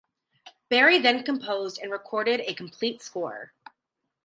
Barry then composed and recorded a complete score.